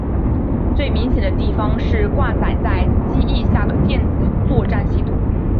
最明显的地方是挂载在机翼下的电子作战系统。